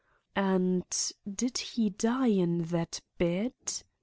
"'And did he die in that bed?